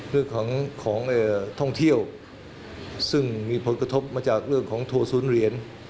เรื่องของท่องเที่ยวซึ่งมีผลกระทบมาจากเรื่องของทัวร์ศูนย์เหรียญ